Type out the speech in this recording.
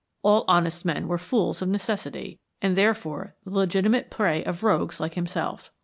All honest men were fools of necessity, and therefore the legitimate prey of rogues like himself.